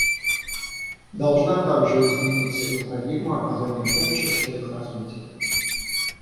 Должна также измениться и парадигма оказания помощи в целях развития.